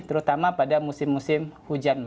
terutama pada musim musim hujan